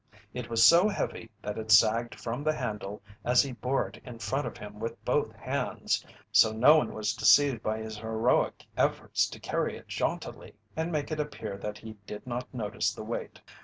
It was so heavy that it sagged from the handle as he bore it in front of him with both hands, so no one was deceived by his heroic efforts to carry it jauntily and make it appear that he did not notice the weight.